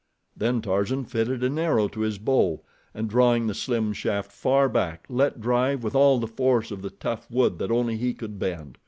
Then Tarzan fitted an arrow to his bow, and drawing the slim shaft far back let drive with all the force of the tough wood that only he could bend.